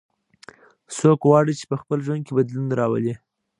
څوک غواړي چې په خپل ژوند کې بدلون راولي